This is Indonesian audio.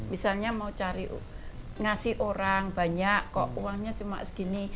misalnya mau cari ngasih orang banyak kok uangnya cuma segini